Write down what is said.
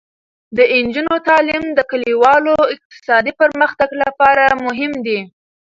د نجونو تعلیم د کلیوالو اقتصادي پرمختګ لپاره مهم دی.